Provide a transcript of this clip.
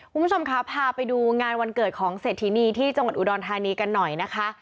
คุณผู้ชมค่ะพาไปดูงานวันเกิดของเศรษฐีนีที่จังหวัดอุดรธานีกันหน่อยนะคะ